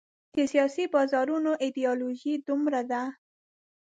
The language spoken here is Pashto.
د سیاسي بازارونو ایډیالوژۍ دومره دي.